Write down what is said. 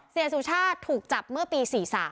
เสียสุชาติถูกจับเมื่อปี๔๓